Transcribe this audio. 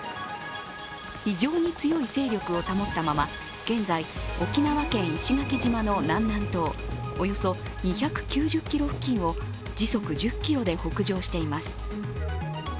非常に強い勢力を保ったまま現在、沖縄県石垣島の南南東およそ２９０ｋｍ付近を時速１０ｋｍで北上しています。